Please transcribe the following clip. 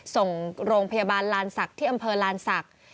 ส่งโรงพยาบาลลานศักดิ์ที่อำเภอลานศักดิ์